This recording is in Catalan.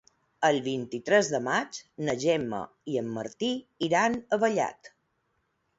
El vint-i-tres de maig na Gemma i en Martí iran a Vallat.